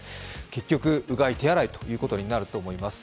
結局うがい手洗いということになると思います。